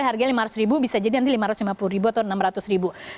harganya lima ratus ribu bisa jadi nanti lima ratus lima puluh ribu atau enam ratus ribu